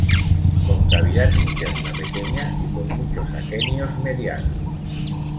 Con cavidad interna pequeña, y con muchos aquenios medianos.